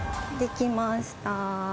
できました。